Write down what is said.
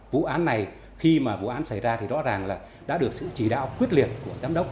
vụ án này khi mà vụ án xảy ra thì rõ ràng là đã được sự chỉ đạo quyết liệt của giám đốc